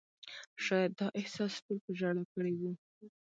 شاید دا احساس ټول په ژړا کړي وو.